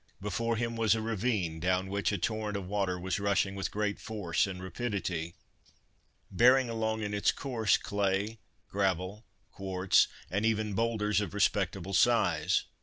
Before him was a ravine down which a torrent of water was rushing with great force and rapidity, bearing along in its course clay, gravel, quartz, and even boulders of respectable size.